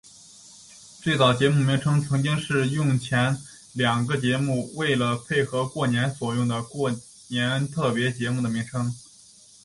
最早节目名称曾经是用前两个节目为了配合过年所做的过年特别节目的名称。